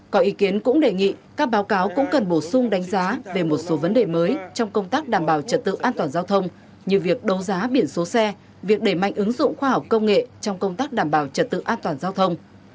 có ý kiến cũng đề nghị các báo cáo cũng cần bổ sung đánh giá về một số vấn đề mới trong công tác đảm bảo trật tự an toàn giao thông như việc đấu giá biển số xe việc đẩy mạnh ứng dụng khoa học công nghệ trong công tác đảm bảo trật tự an toàn giao thông